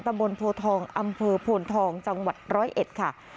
บนโพทองอำเภอโพนทองจังหวัดร้อยเอ็ดค่ะ